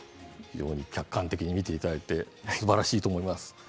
客観的に見ていただいてすばらしいと思います。